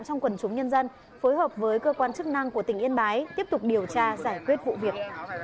trong quần chúng nhân dân phối hợp với cơ quan chức năng của tỉnh yên bái tiếp tục điều tra giải quyết vụ việc